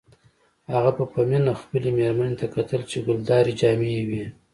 هغه به په مینه خپلې میرمنې ته کتل چې ګلدارې جامې یې وې